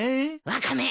ワカメ。